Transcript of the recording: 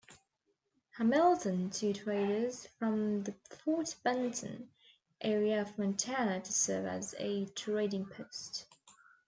Hamilton-two traders from the Fort Benton area of Montana-to serve as a trading post.